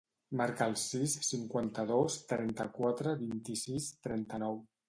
Marca el sis, cinquanta-dos, trenta-quatre, vint-i-sis, trenta-nou.